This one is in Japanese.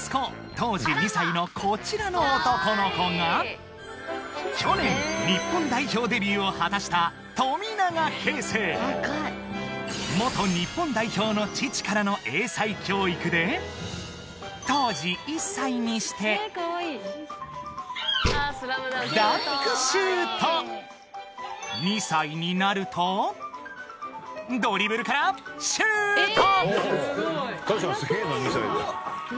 当時２歳のこちらの男の子が日本代表の父からの英才教育で当時１歳にして２歳になるとドリブルからシュート！